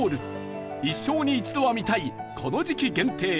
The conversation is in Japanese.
一生に一度は見たいこの時期限定！